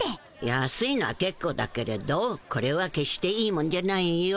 安いのはけっこうだけれどこれは決していいもんじゃないよ。